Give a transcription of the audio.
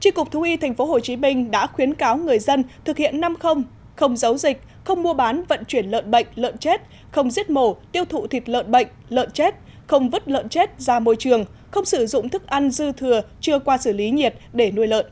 tri cục thú y tp hcm đã khuyến cáo người dân thực hiện năm không giấu dịch không mua bán vận chuyển lợn bệnh lợn chết không giết mổ tiêu thụ thịt lợn bệnh lợn chết không vứt lợn chết ra môi trường không sử dụng thức ăn dư thừa chưa qua xử lý nhiệt để nuôi lợn